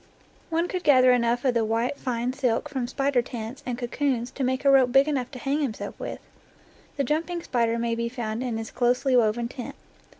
One could gather enough of the white fine silk from spider tents and cocoons to make a rope big enough to hang himself with'. The jumping spider may be found in his closely woven tent.